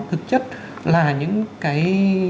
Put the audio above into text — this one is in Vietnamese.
thực chất là những cái